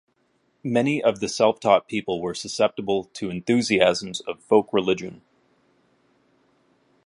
Many of the self-taught people were susceptible to enthusiasms of folk religion.